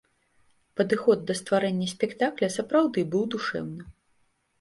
Падыход да стварэння спектакля сапраўды быў душэўны.